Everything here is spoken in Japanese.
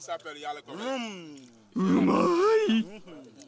うまい！